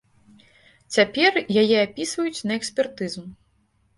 Цяпер яе апісваюць на экспертызу.